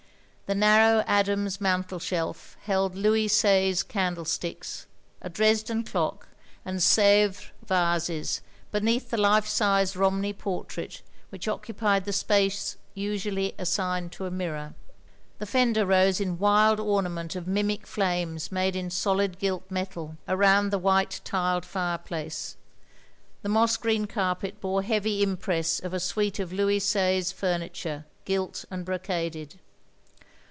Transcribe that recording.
The narrow Adam's mantelshelf held Louis Seize candlesticks, a Dresden clock, and Sfevres vases, beneath the life size Ronmey portrait which occupied the space usually assigned to a mirror. The fender rose in wild ornament of mimic flames made in solid gilt metal, around the white tiled fireplace. The moss green carpet bore heavy impress of a suite of Louis Seize furniture, gilt and brocaded.